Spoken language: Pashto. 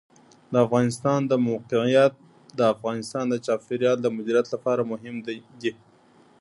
د افغانستان د موقعیت د افغانستان د چاپیریال د مدیریت لپاره مهم دي.